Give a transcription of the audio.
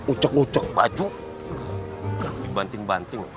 ucok ucok batuk dibanting banting